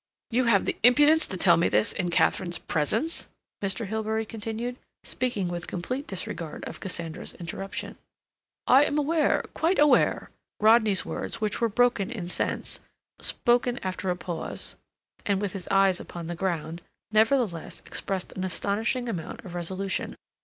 "You have the impudence to tell me this in Katharine's presence?" Mr. Hilbery continued, speaking with complete disregard of Cassandra's interruption. "I am aware, quite aware—" Rodney's words, which were broken in sense, spoken after a pause, and with his eyes upon the ground, nevertheless expressed an astonishing amount of resolution.